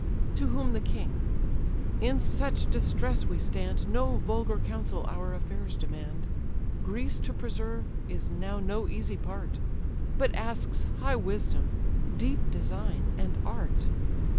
To whom the king: "In such distress we stand, No vulgar counsel our affairs demand; Greece to preserve, is now no easy part, But asks high wisdom, deep design, and art.